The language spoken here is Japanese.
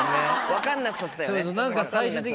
分かんなくさせたよね。